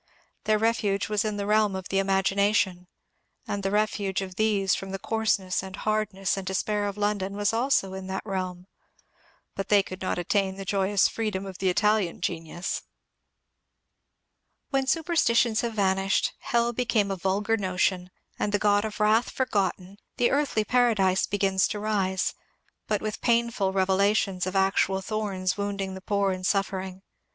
Their refuge was in the realm of the imagination, and the refuge of these from the coarseness and hardness and despair of London was also in that realm, but they could not attain the joyous freedom of the Italian genius. WILLIAM MORRIS 871 When superstitions have vanished, Hell become a vulgar notion, and the god of wrath forgotten, the '^ Earthly Para dise " begins to arise, but with painful revelations of actual thorns wounding the poor and suffering.